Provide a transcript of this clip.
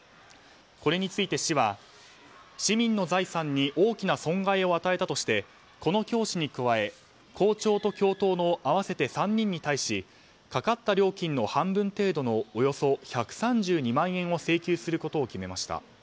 これについて市は市民の財産に大きな損害を与えたとして、この教師に加え校長と教頭の合わせて３人に対しかかった料金の半分程度のおよそ１３２万円分を請求することを決めました。